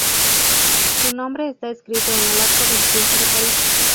Su nombre está escrito en el Arco del Triunfo de París.